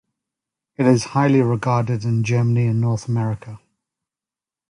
It is highly regarded in Germany and North America.